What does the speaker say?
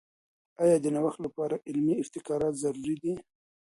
آیا د نوښت لپاره علمي ابتکارات ضروري دي؟